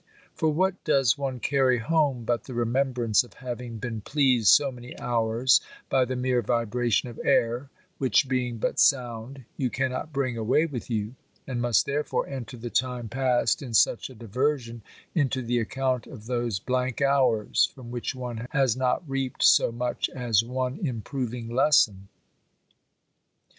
For what does one carry home, but the remembrance of having been pleased so many hours by the mere vibration of air, which, being but sound, you cannot bring away with you; and must therefore enter the time passed in such a diversion, into the account of those blank hours, from which one has not reaped so much as one improving lesson?